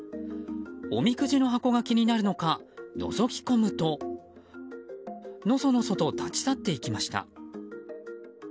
おみくじの箱が気になるのかのぞき込むとのそのと立ち去っていきました。